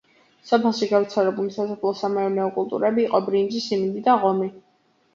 სოფელში გავრცელებული სასოფლო-სამეურნეო კულტურები იყო ბრინჯი, სიმინდი და ღომი.